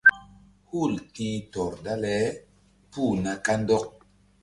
Hul ti̧h tɔr dale puh na kandɔk.